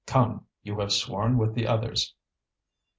"Come! you have sworn with the others!"